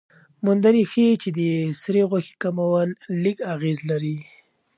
موندنې ښيي چې د سرې غوښې کمول لږ اغېز لري.